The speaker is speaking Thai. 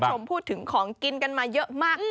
คุณผู้ชมพูดถึงของกินกันมาเยอะมาก